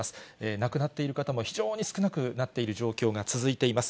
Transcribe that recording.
亡くなっている方も非常に少なくなっている状況が続いています。